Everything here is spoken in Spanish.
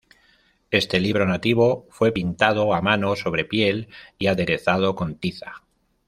Este libro nativo fue pintado a mano sobre piel y aderezado con tiza.